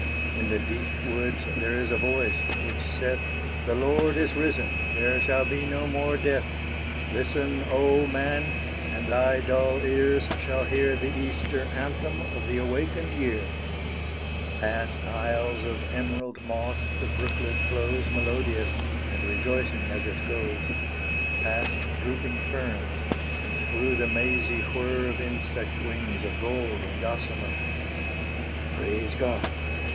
In the deep woods there is a voice, which saith "The Lord is risen there shall be no more death! Listen, Oh Man! and thy dull ears shall hear The Easter Anthem of the awakened year." Past isles of emerald moss the brooklet flows Melodious, and rejoicing as it goes; Past drooping ferns, and through the mazy whir Of insect wings of gold and gossamer. Praise God!